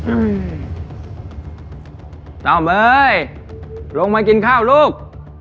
อื้อต้องเลยลงมากินข้าวลูก